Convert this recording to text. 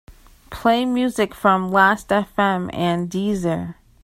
Play music from Lastfm and Deezer.